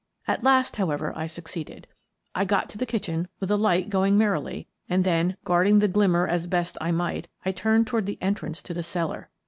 At last, however, I succeeded. I got to the kitchen with a light going merrily and then, guard ing the glimmer as best I might, I turned toward the entrance to the cellar.